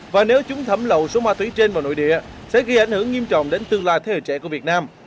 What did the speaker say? và nếu chúng thẩm lộ số ma túy trên và nội địa sẽ ghi ảnh hưởng nghiêm trọng đến tương lai thế hệ trẻ của việt nam